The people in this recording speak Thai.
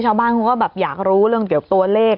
ชาวบ้านคงก็อยากรู้เรื่องเรียกตัวเลข